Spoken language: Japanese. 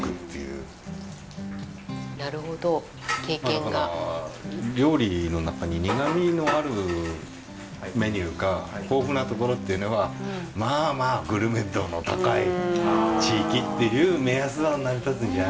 だから料理の中に苦味のあるメニューが豊富なところっていうのはまあまあグルメ道の高い地域っていう目安は成り立つんじゃないでしょうか。